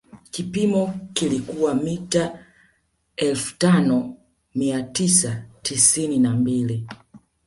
Kipimo kilikuwa mita elfu tano mia tisa tisini na mbili